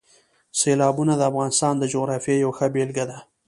سیلابونه د افغانستان د جغرافیې یوه ښه بېلګه ده.